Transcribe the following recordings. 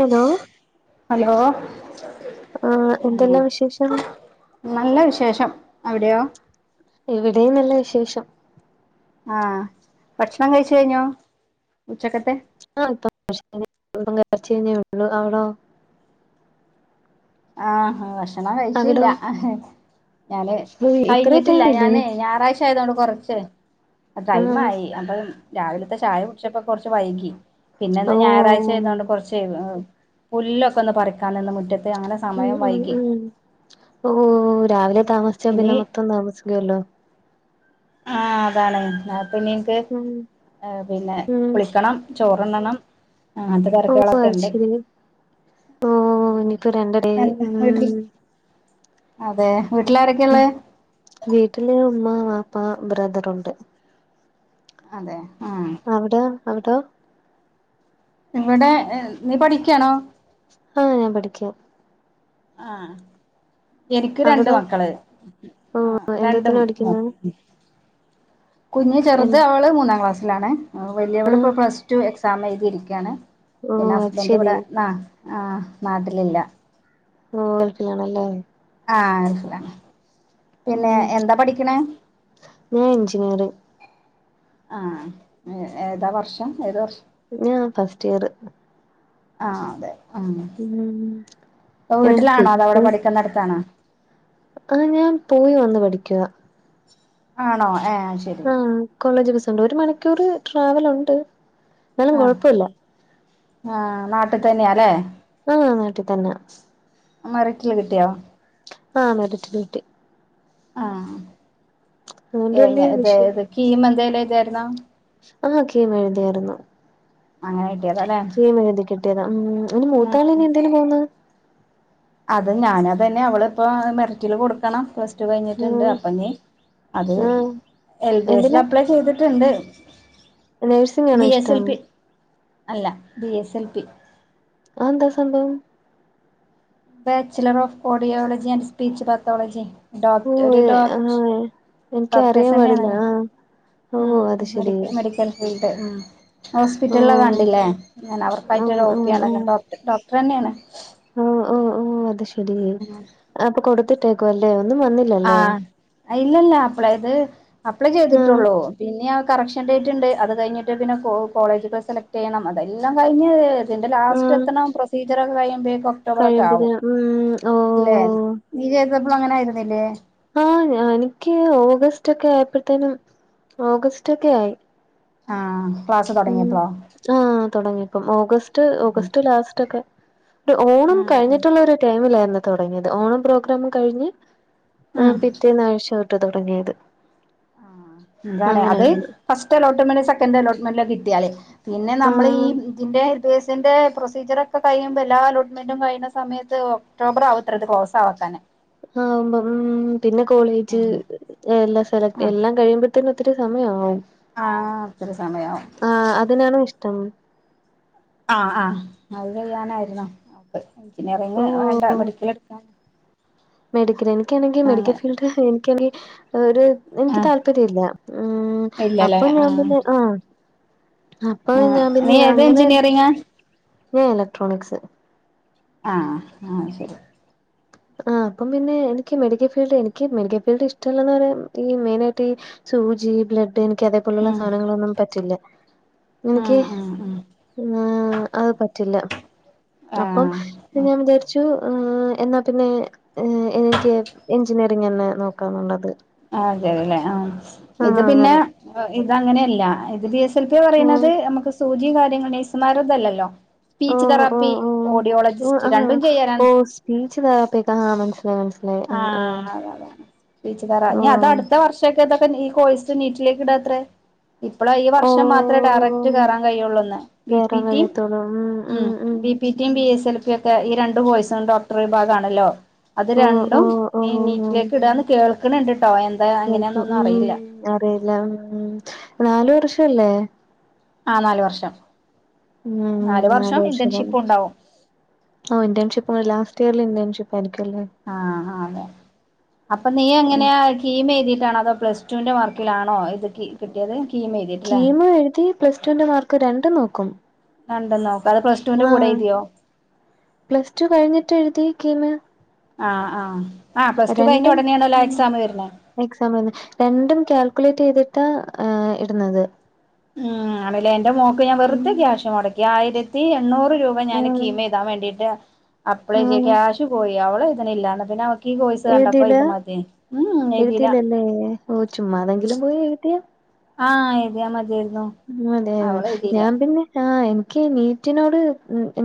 Hello hello ആ ഉം എന്തല്ലാ വിശേഷം? നല്ല വിശേഷം അവിടെയോ ഇവിടെയും നല്ല വിശേഷം ആഹ് ഭക്ഷണം കഴിച്ച് കഴിഞ്ഞോ ഉച്ചക്കത്തെ [unintelligible] അവളോ ആഹ് വശ് ക്ഷണം കഴിച്ചില്ല. അവിടോ ഞാനെ ഏയ് ഇത്ര കഴിഞ്ഞിട്ടില്ല ടൈമില്ലേ ഞാനേ ഞാറാഴ് ചോയ് തോണ്ട് കൊറച്ച് ആ ടൈമായി അപ്പം രാവിലത്തെ ചായ കുടിച്ചപ്പ കൊറച്ച് വൈകി പിന്നന്ന് ഓ ഞാറാഴ്ച ആയതൊണ്ട് ഉം കുറച്ച് തേവ് ഏഹ് പുല്ലൊക്കെ ഒന്ന് പറിക്കാനിന്നെ മുറ്റത്തെ ഉം ഉം ഉം ഓ രാവിലെ താമസിച്ച ഇനി പിന്നെ മൊത്തം താമസിക്കല്ലോ ആ അതാണ് ന്നാപ്പിന്നെ ഇൻക്ക് ഉം പിന്നെ ഉം കുളിക്കണം ചോറ്ന്നണം ആഹ് അത് ഓ കറക്കോള്ളാത്തെ അത് ഒണ്ട് ശരി ഓ ഇനിയിപ്പോ രണ്ടടേ ഉം [unintelligible] അതെ ഉം വീട്ടിലാരൊക്കെള്ളേ? വീട്ടില് ഉമ്മ, ബാപ്പാ, ബ്രദറുണ്ട്. അതെ ഉം അവിട അവിടോ ഇവടെ നീ പഠിയ്ക്കയാണോ? ആഹ് ഞാൻ പഠിയ്ക്കുവാ ആഹ. എനിക്ക് രണ്ട് അവിടോ മക്കള് ഓ ആഹ് രണ്ടും എന്തോത്തിനാ പഠിക്കുന്നെ മോന് കുഞ്ഞ് ചെറുത് എന്ത് അവള് മൂന്നാം ക്ലാസ്സിലാണേ. ആ വലിയവളിപ്പം പ്ലസ് ടു എക്സാം എഴുതിയിരിയ്ക്കയാണ്. ഓ അത് ശെരി പിന്നസ്ബന്റിവിടെ നാ ആ നാട്ടിലില്ല. ആ ഗൾഫിലിണല്ലേ? ആഹ് അരിഫലാണ് പിന്നെ എന്താ പഠിക്കണ ഞാനെഞ്ചിനീയറ്. ആഹ് ഏതാ വർഷം ഏത് വർഷ് ഞാ ഫസ്റ്റീയറ് ആഹ് അതെ ഉം ഉം ഇപ്പൊ വീട്ടിലാണോ അത അവിടെ പഠിക്കുന്നിടുത്താണോ ആഹ് ഞാൻ പോയി വന്ന് പഠിക്കുവാ ആണോ ഏഹ് ആഹ് കോളേജ് ബസ്സുണ്ട് ഒരു മണിക്കൂറ് ട്രാവലുണ്ട് എന്നാലും കൊഴപ്പല്ല. ആ നാട്ടിതന്നെയാ ല്ലേ. ആഹ് നാട്ടീ തന്നെ മെറീട്ടില് കിട്ടിയോ? ആ മെറിറ്റിലു കിട്ടി. ആഹ് അതുകൊണ്ട് എങ്ങ വലിയ ഇത ഇത് വിഷയമില്ല കീമ എന്തേലു എഴുതായിരുന്നോ ആഹ് കീം എഴുതിയാരുന്നു അങ്ങനെകിട്ടിയതാ. മേടികേട്ടെ ണം ഉം അൻ്റെ മൂത്താള് ഉം ഇനി എന്തേലും പോന്ന്. അത്ഞാനാ തന്നെ അവളിപ്പം മെറിറ്റില് കൊടുക്കണം കഴിഞ്ഞിട്ട്ണ്ട് ഉം അപ്പൊ ഞീ അത് ആഹ് എൽ ബി എസിൽ എന്തിനാ അപ്ലൈ ചെയ്ത്ട്ട്ണ്ട്. നഴ്സിംഗ് ആണോ ബി എസ് എൽ ഇഷ്ടം പി അല്ല ബി എസ് എൽ പി. ആന്താ സംഭവം bachelor of audiology and speech pathology ഓ ഡോക് ഒരു ഡോക് ആഹ് എനിക്ക് അറിയാൻ പാടില്ല ഡോക്ടേഴ്സെന്നേണല്ലോ ഓ അത് ആഹ് മെഡി ശരി മെഡിക്കൽ ഫീൽഡ് ഓ ഹോസ്പിറ്റലില കണ്ടില്ലേ. ഞാൻ ആഹ് ആഹ് അവർക്കായിട്ടൊരോപ്പിയാണ് [unintelligible] ഡോക്ട് ഡോക്ടറന്നെയാണ്. ഓ ഓ ഓ അത് ശെരി അപ്പൊ കൊടുത്തിട്ടേക്കും അല്ലേ ഒന്നും വന്നി ആഹ് അയ്ലല്ല അപ്ലൈത് അപ്ലൈ ആഹ് ചെയ്തിട്ടുള്ളൂ പിന്നെ കറക്ഷൻ ഡേറ്റ് ഉണ്ട് അത് കഴിഞ്ഞിട്ട് പിന്നെ കോളേജുകൾ സെലക്ട് ചെയ്യണം അതെല്ലാം കഴിഞ്ഞ്. ഇതിന്റെ ലാസ്റ്റ് എത്തണം പ്രൊസീജിയർക്കെഴിയുമ്പഴേക്കും കഴിയുമ്പത്തിന് ഉം ഓ നീ ചെയ്തപ്പളും അങ്ങനെ ആരുന്നില്ലേ ആഹ് ഞാ എനിയ്ക്കെ ഓഗസ്റ്റൊക്കെ ആയപ്പോഴത്തേനും ഓഗസ്റ്റൊക്കെ ആയി ആഹ് ക്ലാസ് തുടങ്ങിയപ്പളോ ആ തൊടങ്ങിപ്പം ഓഗസ്റ്റ് ഉം ഓഗസ്റ്റ് ലാസ്റ്റ്ക്കെ ഒരു ഓണം ഉം കഴിഞ്ഞിട്ടുള്ള ഒരു ടൈമിലായിരുന്നു തുടങ്ങിയത് ഓണം പ്രോഗ്രാം കഴിഞ്ഞ് ഉം ആഹ് പിറ്റേന്നാഴ്ച തൊട്ടാ തൊടങ്ങിയത് ആഹ് എന്താണ് അത് ഫസ്റ്റ് അലോട്ട്മെന്റ് സെക്കൻറ് അലോട്ട്മെന്റിലെ കിട്ടിയാലേ പിന്നെ നമ്മള് ഈ ആഹ് ഇതിന്റെ. [unintelligible] സിന്റെ പ്രൊസീജിയറൊക്കെ കഴിയുമ്പം, എല്ലാ അലോട്ട്മെന്റും കഴിയുന്ന സമയത്ത് ഒക്ടോബറാ വത്രേ ഇതു ക്ലോസക്കാനെ. ആമ്പം ഉം പിന്നെ കോളേജ് എല്ലാം സെലക്ട് ആ എല്ലാം, കഴിയുമ്പത്തേനും ഒത്തിരി സമയാവും. ആഹ് ഒത്തിരി സമയാവും ആഹ് അതിനാണ് ഇഷ്ടം ആഹ് ആ അത് ചെയ്യാനായിരുന്നു. [unintelligible] ആൾട മെഡിക്കലെടുക്കാൻ. മെഡിക്കല് എനിക്കാണെങ്കി മെഡിക്കൽ അങ്ങനെ ഫീൽഡ് എനിക്കാണെങ്കി ഒരു എനിക്ക് ആ താല്പര്യാല്ല ഉം ഇല്ലല്ലേ അപ്പം ആ ഞാൻ പിന്നെ ആഹ് അപ്പൊ ആ ഞാൻ നീ പിന്നെ ഏത് അങ്ങനെ എഞ്ചിനീയറിങ്ങാ ഞാൻ ഇലക്ട്രോണിക്സ് ആഹ് ആഹ് ശരി ആ അപ്പം പിന്നെ എനിക്ക് മെഡിക്കൽ ഫീൽഡ് എനിക്ക് മെഡിക്കൽ ഫീൽഡ് ഇഷ്ടല്ലാന്ന് ഈ മെയ്നായിട്ട് ഈ സൂചി ബ്ലഡ്ഡ് എനിക്ക് അതേപോലുള്ള ഉം സാധനങ്ങളൊന്നും പറ്റില്ല എനിയ്ക്കെ ഉം ഉം ഉം ആഹ് അത് പറ്റില്ല അപ്പം ആ ഞാൻ വിചാരി ച്ചു എന്നാ പ്പിന്നെ ഏഹ് എനിക്ക് എഞ്ചിനീയറിംഗന്നെ നോക്കാന്നുള്ളത്. ആഹ് അതല്ലെ ആഹ് ആഹ് ഇതു പിന്നെ അങ്ങനെ ഇതങ്ങനെയല്ല ഇതു ബിസ് ചെൽപ്പം ഇയ് ആഹ് പറയ്ണത് നമുക്ക് സൂചി കാര്യങ്ങൾ നെയ്സ്മാര്ഒന്ല്ലല്ലോ. സ്പീച്ച് ഓഹ് തെറാപ്പി ഓഹ് ഓഹ് ഓഹ് ഓഡിയോളജിസ്റ്റ് ആഹ് രണ്ടും ചെയ്യാലാണ്. [unintelligible] ആഹ് അത അത വീച്ചു പറ ഇനി ഓഹ് അതടുത്ത വർഷ് [unintelligible] ഈ കോഴസ് നീറ്റിലേക്ക് ഇടാത്രെ ഇപ്പളെ ഈ വർഷം മാത്രേ ഡയറക്ട് ഓഹ് കേറാൻ കഴിയൊള്ളന്ന് ബി പി റ്റി നം ഉം ബി പി റ്റിയും ബി എസ് എൽ പിയ ഒക്കെ ഈ രണ്ടു പോയ്സും ഡോക്ടർ വിഭാഗ ആണല്ലോ അത് രൺ ഓഹ് ഓഹ് ഓഹ് നീറ്റിലേക്ക് ഇടാന്ന് കേൾക്ക്ണണ്ട്ട്ടോ എന്താ കേൾക്കും എങ്ങനെന്നൊന്നും അറിയില്ല ഉം അറിയില്ല ഉം. നാലു വർഷല്ലേ? ആഹ് നാലു വർഷം ഉം നാലു നാല് വർഷം തന്നെ ഇന്റേൺഷിപ്പുമുണ്ടാവും ഇന്റേൺഷിപ്പ് ലാസ്റ്റ് ഇയറില് ഇന്റേൺഷിപ്പായിരിക്കുലേ ആഹ് ആഹ് അതെ അപ്പൊ നീ എങ്ങനെയാ കീം എഴുതിട്ടാണോ അതോ പ്ലസ് ടുവിന്റെ മാർക്കിലാണോ ഇതൊക്ക് കീമു എഴുതി പ്ലസ് ടു ന്റെ മാർക്ക് രണ്ടും നോക്കും രണ്ട ലോ അത് പ്ലസ ടു ന്റെ കൂടെ എയ്തിയോ പ്ലസ്ടു കഴിഞ്ഞ്ട്ട് എഴുതി കീന്ന്. ആഹ് ആ. ആ പ്ലസ് ടു കഴിഞ്ഞു ഉടനെയണല്ലോ ആ എക്സാം വരണേ. എക്സാമ്പിന്ന് രണ്ടും കാൽക്കുലേറ്റെയ്തിട്ടാ ഇടുന്നത്. ഉം ആണല്ലേ എന്റെ മോക്ക് ഞാൻ ഉം വെറുതെ ക്യാഷ് മുടക്കി ആയിരത്തി എണ്ണൂറ് രൂപ ഞാനെ ആഹ് കീമെഴുതാൻ വേണ്ടീട്ട് അപ്ലൈ ചെയ്യ. ആഹ് ക്യാഷ് പോയി അവളെഴുതണില്ലാന്നെ പിന്നവ ക്കീ കോഴ്സ് കണ്ടപ്പ എഴുതില്ല ഇതുമതി ഉം ഉം എയ്തില. എഴുതില്ലല്ലേ ഓഹ് ചുമ്മാതെങ്കിലും പോയി എഴുതിയ. ആഹ് എഴുതിയാമതിയാർന്നു. ഉം അതെയതെ ഞാൻ പിന്നെ ആഹ് എനിക്ക് നീറ്റിനോട്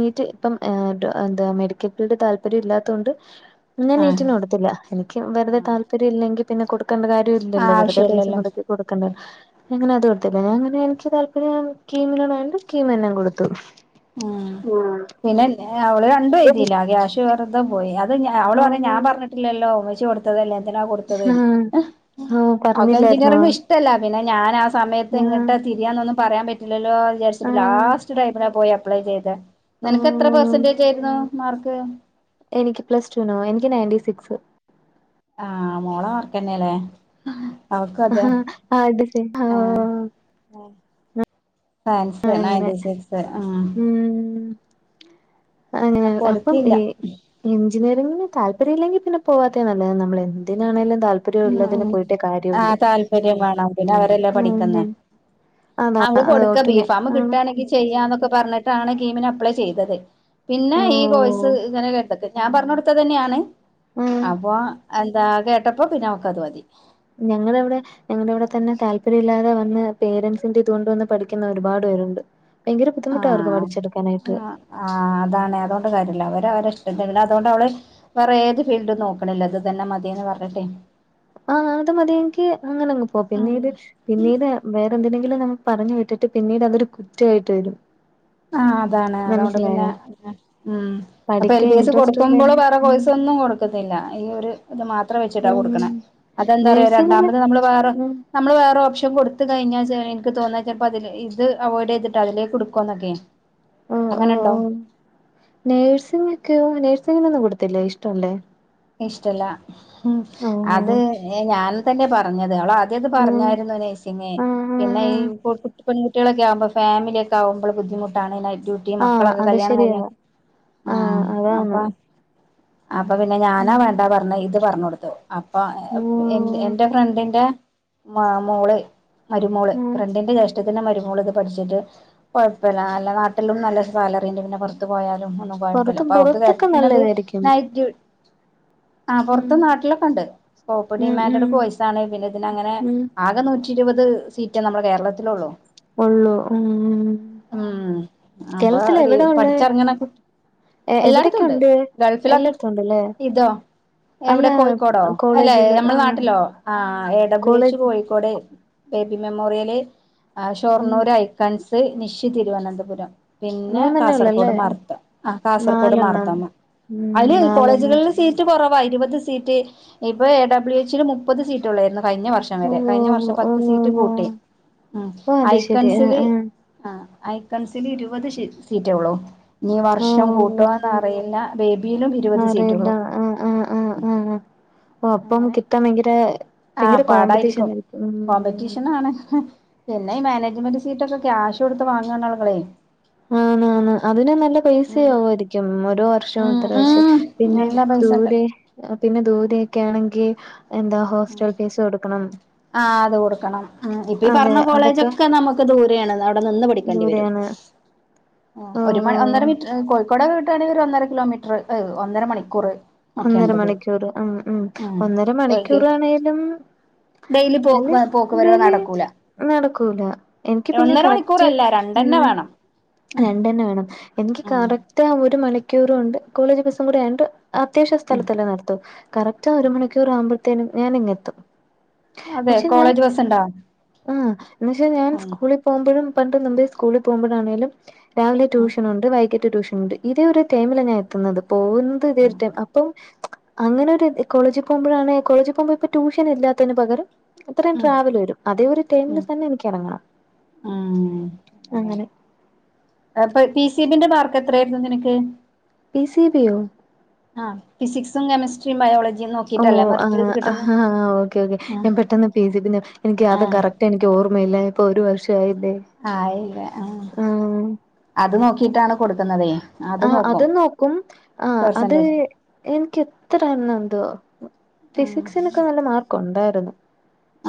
നീറ്റ് ഇപ്പം ഏഹ് എന്താ മെഡിക്കൽ ഫീൽഡ് താല്പര്യം ഇല്ലാത്തോണ്ട്. ന്ന് ആഹ് നീറ്റിന് കൊടുത്തില്ല എനിക്ക്യു വെറുതെ ആഹ് താല്പര്യ ഇല്ലെങ്കി പിന്നെ കൊടുക്കണ്ട കാര്യം ആഹ് ഇല്ലല്ലോ വെറുതെ പൈസ ആവശ്യല്ലല്ലോ മൊടക്കി. കൊടുക്കണ്ട എങ്ങനെ അത് ഒത്ത് ലേ പിന്ന എനിക്ക് താല്പര്യം കീമിനണണ്ട് കീമന്നാം കൊടുത്തു. ആഹ് ആഹ് പിന്നെ അവള് രണ്ടു എയ്തില്ല ക്യാഷ് വെറുതെ പോയി ത് ഞ അവള് പറിം ഞാ പർഞ്ഞിട്ടില്ലല്ലോ മ്മച്ചി ഒട് കൊടുത്തല്ലേ എന്തിനാ കൊടുത്തത് ആഹ് ആഹ് അവെ എഞ്ചിനറി പറഞ്ഞില്ലായിരുന്നോ ഇഷ് ഷ്ടുല്ല പിന്നെ ഞാനാ സമയത്ത് ആഹ് എങ്ങട്ടാ തിരിയാന്നൊന്നും പറയാൻ പറ്റ ഇല്ലല്ലോ വിചാരിച്ച്ട്ട് ആഹ് ലാസ്റ്റ് ടൈമിലാ പോയി അപ്ലൈ ചെയ്തെ നിനക്ക് എത്ര ആഹ് പെർസെന്റേജ് ആയിരുന്നു. മാർക്ക് എനിക്ക് പ്ലസ് റ്റൂനോ എനിക്ക് ണയന്റിസിക്സ് ആഹ് മോള മാർക്കന്നെല്ലേ? ആഹ് അവക്കു അതെ ആഹ് ആഹ് അ. സാൻസ് അങ്ങനെ നയന്റി സിക്സ് ആഹ് ഉം അങ്ങനെ അപ്പം ഈ. എഞ്ചിനീയറിംഗിന് തല്പര്യ ഇല്ലെങ്കി പിന്നെ പോവാത്തയ നല്ലത് നമ്മൾ എന്തിനാണേലും താല് [unintelligible] ആഹ് താല്പര്യം വേണം പിന്നെ അവരെല്ലെ പഠിക്കുന്നെ ഉം അതാ അത് കൊട്ക്ക അതോട്ട് ബീ ഞാൻ ഫാം ആണ് കിട്ടാണെങ്കി. ചെയ്യാന്നൊക്കെ പറഞ്ഞിട്ടാണ് കീമിനെ അപ്ലൈ ചെയ്തത് പിന്നെ ഓ ഈ കോഴ്സ് ഇങ്ങനെതൊക്കെ ഞാൻ പർഞ്ഞു കൊടുത്തത് തന്നെയാണ് ഉം അപ്പൊ എന്താ കേട്ടപ്പോ പിന്നെ അവക്ക് അത് മതി. ഞങ്ങളിവിടെ. ഞങ്ങടെ ഇവിടെ തന്നെ താല്പര്യമില്ലാതെ വന്ന് പേരൻറ്സിന്റെ ഇതുകൊണ്ട് വന്ന് പഠിക്കുന്ന ഒരുപാട് പേരുണ്ട്. ഭയര ബുദ്ധിമുട്ടായിരുന്നു പഠിച്ചെടുക്കാനായിട്ട് ആഹ് അതാണ് അതുകൊണ്ട് കാര്യല്ല അവര് അവരെ ഇഷ്ടല്ല അതോണ്ട് അവള്. വേറെ ഏത് ഫീൽഡും നോക്കണില്ല ത് തന്നെ മതിന്ന് പർഞ്ഞിട്ടെ. ആഹ് അത് മതിയെങ്കി അങ്ങനങ്ങ് പോവാ പിന്നീട് പിന്നീട വേറെന്തിനെങ്കിലും നമ്മള് പറഞ്ഞു വിട്ടിട്ട് പിന്നീടതൊരു കുറ്റവായ്ട്ട് വരും. ആഹ് അതാണ് അതോണ്ട് പിന്നെ മനസ്സിലായോ ഉം അപ്പൊ എൽ പഠിക്കാൻ പി എസ് ഇൻട്രസ്റ്റ് കൊടുക്കുമ്പള് ഉള്ളേന് വേറെ ഉം കോഴ്സൊന്നും കൊടു കൊടുക്കുന്നില്ല ഈ ഒരു ഇത് മാത്രം വെച്ചിട്ടാ ഉം കൊടുക്കണ അതെന്താ പറയോ നേഴ്സിങ്ങില് രണ്ടാമത് നമ്മള് വേറെ ഉം നമ്മള് വേറെ ഓപ്ഷൻ കൊടുത്ത് കഴിഞ്ഞാ ചെ ഇൻക്ക് തോന്ന ചെൽപ്പതില് ഇത് അവോയിഡെയ്തിട്ട് അതിലേക്ക്ട്ക്കോന്നക്കയ്. അങ്ങനെണ്ടോ? നേഴ്സിങ്ങ ഒക്കെയോ നേഴ്സിങ്ങിനൊന്നും കൊടുത്തില്ലേ ഇഷ്ടം അല്ലേ? ഇഷ്ടല്ല അത് ഓഹ് ഞാൻ തന്നെ പറഞ്ഞത് അവള് എത് ഉം പറഞ്ഞാലും ഇന്ന് നൈസിങ്ങ് ആഹ് പിന്നെ ആഹ് ഈ ആഹ് പൊ പെൺകുട്ടികളൊക്കെ ആവുമ്പോ ഫമിലിയൊക്കെആവുമ്പളൾ ബുദ്ധിമുട്ടാണ് നൈറ്റ്‌ ഡ്യൂ ഈ ആഹ് മക്കളൊക്കെ അത് കല്യാണം കയ്ഞ്ഞെ ശരിയാ ആഹ് അപ്പ അപ്പൊ പിന്നെ ഞാനാ ഉം വേണ്ട പർഞ്ഞ ഇത് പർഞ്ഞൊട്ത്തു അപ്പൊ എന്റെ ഉം എന്റെ ഫ്രണ്ടിന്റെ മോള് മരുമോള് ഉം ഫ്രണ്ടിന്റെ ജേഷ റ്റത്‌ന്റെ മര്മോള് ത് പഠിച്ചിട്ട് കുഴപ്പല്ല നല്ല നാട്ടിലും നല്ല സാലറിണ്ട് പിന്നെ പൊർത്ത് പോയാലും ഒന്നും കുഴപ്പല്ല പുറത്ത് അപ്പൊ അവക്ക് കേട്ട പുറത്തൊക്കെ പിന്നെത് നല്ലതായിരിക്കും നൈറ്റ് ഡ്യ ആ ഉം പുറത്ത് നാട്ടിലൊക്കെ ഉണ്ട്. കോപ്പർ ഉം ഡിമാൻഡട് ഉം കോയിസാണ് പിന്നെ ഇതിനങ്ങനെ ഉം ആകെ നൂറ്റി ഇരുപത് സീറ്റാ നമ്മുടെ കേരളത്തിലൊള്ളു. ഒള്ളൂ ഉം ഉം ഉം അപ്പൊ കേര്ളത്തില് ഒരു എവിട ഉള്ളേ. പഠിച്ചിറങ്ങണ കുട്ടി എല്ലായിടത്തും എവിടെക്കെ ഉണ്ട് ഗൾഫിലൊക്കെ എല്ലട്ത്തും ഉണ്ട്ല്ലേ? ഇതോ? എവിടെ കോഴിക്കോടോ അല്ലെ കോളേജുകള് നമ്മെ ആഹ് നാട്ടിലോ ആ A W college H Kozhikode baby memorial ആഹ് ഉം ഷൊർണൂർ ഐക്കൺസ്, നിശി തിരുവനന്തപുരം പിന്നെ മൂന്നെണ്ണേ കാസർഗോട് ഉള്ളല്ലേ മർത്ത ആഹ് കാസർഗോട് നാലെണ്ണം മാർത്തമ്മ ഉം അയില്. നാലെണ്ണം ഇപ്പ സീറ്റ് കൊറവ ഇരുപത് സീറ്റ് ഇപ്പ എ ഡബ്യു എച്ച് ഡി ടെ മുപ്പത് സീറ്റൊള്ളേര്ന്നു കഴിഞ്ഞ വർഷ [unintelligible] വരെ കഴിഞ്ഞ ഓ വർഷം ഓ പത്ത് സീറ്റ് കൂട്ടി ഉം ഓ അത് ശരി ഐക്കൺസില് ആ ആ ഐക്കൺസിന് ഇരുപത് സീറ്റേ ഉള്ളൂ ഇനി ഈ ആ വർഷം കൂട്ടുവോന്ന് അറിയില്ല ബേബീലും ഇര്പത് സ് ഏതാ ആഹ് ആഹ് ആഹ് ആഹ് ആഹ് അപ്പം അങ്ങനെ കിട്ടാൻ ഭയങ്കര ആ ഭയ്ങ്കര കോമ്പറ്റീഷൻ ആയിര്ക്കും ഉം ഉം. ആണ് പിന്നെ ഈ മാനേജ്മെന്റ് സീറ്റൊക്കെ ക്യാഷാെട്ത്ത് വാങ്ങാണ് ആള്കളേ ആണ് ആണ് അതിന് നല്ല പൈസയാവു ഉം ആയിരിക്കും ഒരു വർഷ ശൊ ഉം ത്ര വെച്ച് ഉം പിന്നെ നല്ല പൈസണ്ട് ദൂരെ അ പിന്നെ ദൂരെയൊക്കാണെങ്കി. എന്താ ഹോസ്റ്റൽ ഫീസ് കൊടുക്കണം. ആഹ് അത് കൊടുക്കണം. ഉം ഇപ്പ ഈ അതെ പർഞ്ഞ അതൊക്കെ കോളേജൊക്കെ നമുക്ക് ദൂരെയാണ് അവിടെ നിന്ന് പഠിക്കേണ്ടി വരും. ദൂരെയാണ് ഉം ഓ ഒരു മ ഒന്നര ഓ മീറ്റർ ഉം കോഴിക്കോടെ കിട്ടാണെങ്കിൽ ഒരു ഒന്നര കിലോമീറ്റർഏഹ് ഒന്നര മണിക്കൂറ് ഒന്നര മണിക്ക്യൂറ് ഉം ഉം ഒന്നര മണിക്ക്യൂറാണേലും ഡെയ്ലി പോക്ക് പോക്ക് വരവ് നടക്കൂല നടക്കൂല എനിക്ക് പിന്നെ ഒന്നര കറക്റ്റ് മണിക്കൂറല്ല രണ്ടെന്നെ ഉം വേണം രണ്ടെന്നെ വേണം എനിക്ക് ഉം കറക്റ്റ്- റ്റ ഒരു മണിക്കൂറ കൊണ്ട് കോളേജ് ബസ്സും കൂടെ ആണ്ട് അത്യാവശ്യ സ്ഥലത്തല്ലേ നിർത്തു കറക്റ്റ് ഒരു മണിക്കൂർ ആകുമ്പത്തിനും ഞാന് ഇങ്ങെത്തും. അതെ പക്ഷെ ഞാൻ കോളേജ് ബസ് ഉണ്ടോ ആ എന്നച്ചാ ഞാൻ ഉം സ്കൂളിൽ പോകുമ്പഴും പണ്ട് മുമ്പ് സ്കൂളി പോകുമ്പഴാണെലും രാവിലെ ഉം ട്യൂഷനുണ്ട് വൈകിട്ട് ട്യൂഷനുണ്ട്. ഇതേ ഒരു ടൈമിലാണ് ഞാൻ എത്തുന്നത് പോകുന്നത് ഇതേ ടൈം അപ്പം അങ്ങനെ ഒരു കോളേജിൽ പോകുമ്പോഴാണ് കോളേജിൽ പോകുമ്പോ ഇപ്പ ട്യൂഷൻ ഇല്ലാത്തന് പകരം ഇത്രേം ട്രാവല് വരും അതേ ഒരു ടൈമിൽ ഉം തന്നെ എനിക്കെറങ്ങണം ഉം അതെ അങ്ങനെ. അപ്പൊ പി സിബിന്റെ മാർക്ക് എത്ര ആയിരുന്നു നിനക്ക്? പി സി ബിയോ ആഹ് ഫിസിക്സും, കെമിസ്ട്രിയും, ബയോജിയും നോ ഓ ആഹ് ആ ഹ്ഓക്കെ ഓക്കെ ഞാൻ പെട്ടെന്ന് പിസി പിന്നെ എനിക്ക് ആ അത് കറക്റ്റ് എനിക്ക് ഓർമ്മയില്ല ഇപ്പൊ ഒരു വർഷായില്ലേ? ആല്ലേ ആ ആഹ് അത് നോക്കിട്ടാണ് കൊടുക്കുന്നതേ. ആഹ് അത് നോക്കും ആഹ് അത് പെർസെന്റേജ് എനിക്ക് എത്രണം എന്തോ? ഫിസിക്സിനൊക്കെ നല്ല മാർക്ക് ഉണ്ടായിരുന്നു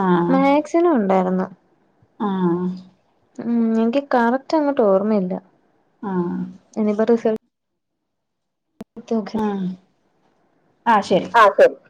ആ ആ മാക്സിനു ഉണ്ടായിരുന്നു. ആഹ്. ഉം എനിക്ക് കറക്റ്റ് അങ്ങട്ട് ഓർമ്മയില്ല. ആഹ് ഇനിപ്പ റിസൾ. ത്തോക്കേ. ഉം ആഹ് ശരി ആഹ് സ